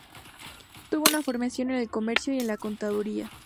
Tuvo una formación en el comercio y la contaduría.